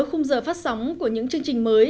khung giờ phát sóng của những chương trình mới